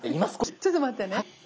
ちょっと待ってね。